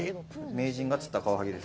名人が釣ったカワハギです。